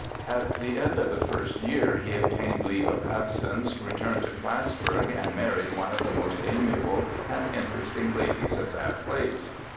At the end of the first year he obtained leave of absence, re turned to Plattsburgh, and married one of the most amiable and interesting ladies of that place.